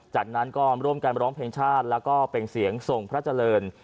จากนั้นก็ร่วมกันร้องเพลงชาติแล้วก็เป็นเสียงทรงพระเจริญ